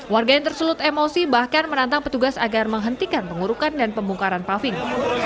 warga yang tersulut emosi bahkan menantang petugas agar menghentikan pengurukan dan pembongkaran paving